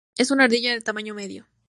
Es una ardilla de tamaño mediano.